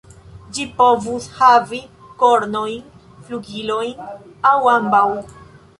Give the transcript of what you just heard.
Ĝi povus havi kornojn, flugilojn, aŭ ambaŭ.